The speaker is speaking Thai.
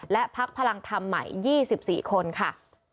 และพักพลังธรรมใหม่๒๔คนค่ะ